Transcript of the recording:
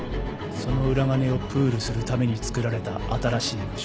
その裏金をプールするためにつくられた新しい部署。